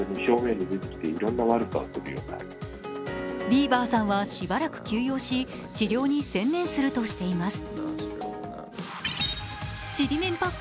ビーバーさんはしばらく休養し、治療に専念するとしています。